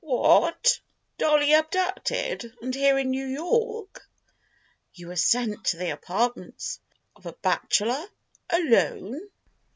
"What! Dolly abducted, and here in New York?" "You were sent to the apartments of a bachelor—alone!"